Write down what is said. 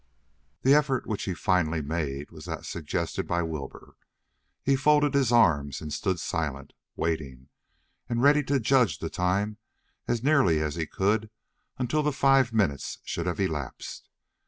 The effort which he finally made was that suggested by Wilbur. He folded his arms and stood silent, waiting, and ready to judge the time as nearly as he could until the five minutes should have elapsed.